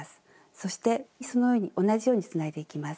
そしてその上に同じようにつないでいきます。